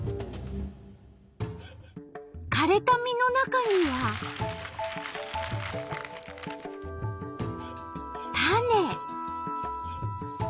かれた実の中には種。